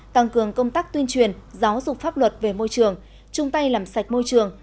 tăng cường công tác tuyên truyền giáo dục pháp luật về môi trường chung tay làm sạch môi trường